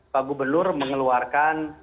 pak gubernur mengeluarkan